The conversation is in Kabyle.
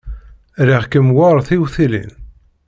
Riɣ-kem war tiwtilin.